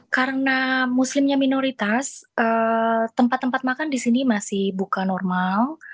karena muslimnya minoritas tempat tempat makan di sini masih bukan normal